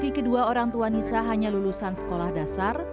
di kedua orang tua nisa hanya lulusan sekolah dasar